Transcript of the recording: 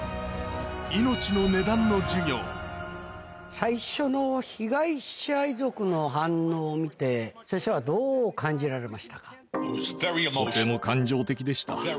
最初の被害者遺族の反応を見て先生はどう感じられましたか？